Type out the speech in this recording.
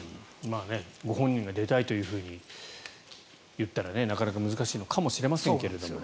ご本人が出たいと言ったらなかなか難しいのかもしれません。